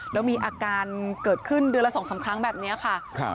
แล้วมีอาการเกิดขึ้นเดือนละ๒๓ครั้งแบบนี้ค่ะ